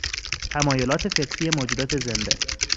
تمایلات فطری موجودات زنده